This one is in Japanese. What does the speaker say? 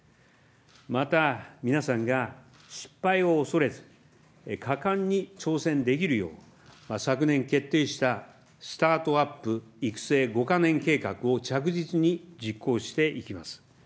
また、皆さんが失敗を恐れず、果敢に挑戦できるよう、昨年決定したスタートアップ育成５か年計画を着実に実行していきます。